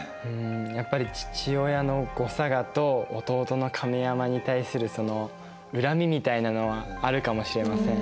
やっぱり父親の後嵯峨と弟の亀山に対するその恨みみたいなのはあるかもしれません。